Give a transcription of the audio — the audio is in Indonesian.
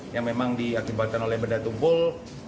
yang memang diakibatkan oleh benda tumpul